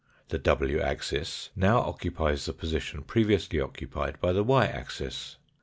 The lu axis now occupies the position previously occupied by the y axis.